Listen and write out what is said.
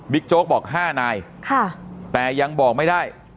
บีคโจ๊คบอกห้านายแต่ยังบอกไม่ได้